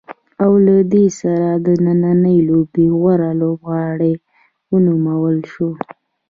او له دې سره د نننۍ لوبې غوره لوبغاړی ونومول شو.